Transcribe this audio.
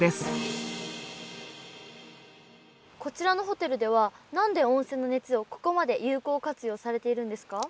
こちらのホテルでは何で温泉の熱をここまで有効活用されているんですか？